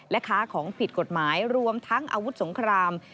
และค้าของผิดกฎหมายรวมทั้งอาวุธสงคราม